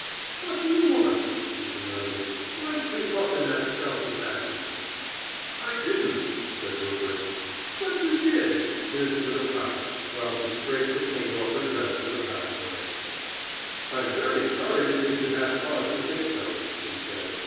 "What do you want?" she demanded. "Why creep up in that stealthy fashion?" "I didn't," said Rupert. "But you did." This with a pout, while she scraped the paint off her dress with a palette knife. "I am very sorry that you should have cause to think so," he said.